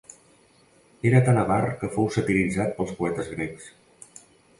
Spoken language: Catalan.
Era tant avar que fou satiritzat pels poetes grecs.